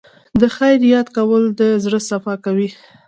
د خیر یاد کول د زړه صفا کوي.